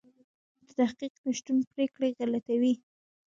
د تحقیق نشتون پرېکړې غلطوي.